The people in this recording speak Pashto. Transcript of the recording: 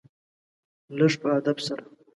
لږ په ادب سره .